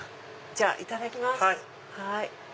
じゃあいただきます。